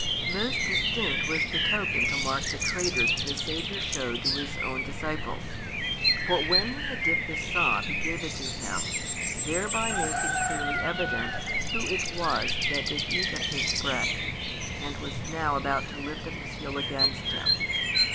Most distinct was the token to mark the traitor that the Saviour showed to His own disciples. For when He had dipped the sop He gave it to him, thereby making clearly evident who it was that did eat of His bread, and was now about to lift up his heel against Him.